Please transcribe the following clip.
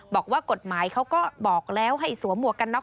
บอกว่ากฎหมายเขาก็บอกแล้วให้สวมหวกกันน็